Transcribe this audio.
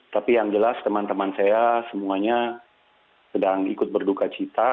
tapi yang jelas teman teman saya semuanya sedang ikut berduka cita